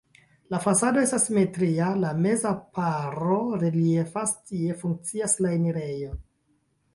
La fasado estas simetria, la meza paro reliefas, tie funkcias la enirejo.